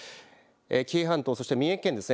紀伊半島そして三重県です。